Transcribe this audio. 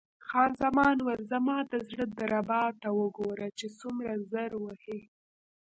خان زمان وویل: زما د زړه دربا ته وګوره چې څومره زر وهي.